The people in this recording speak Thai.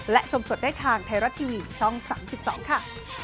และชมสดได้ทางไทยรัฐทีวีช่อง๓๒ค่ะ